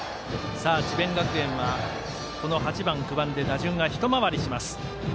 智弁学園は、この８番９番で打順が１回りします。